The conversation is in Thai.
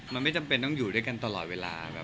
มันไม่จำเป็นต้องอยู่ด้วยกันตลอดเวลา